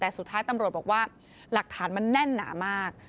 แต่สุดท้ายตำรวจบอกว่าหลักฐานมันแน่นหนามาก